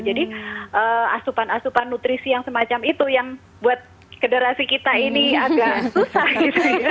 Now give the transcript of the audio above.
jadi asupan asupan nutrisi yang semacam itu yang buat generasi kita ini agak susah gitu ya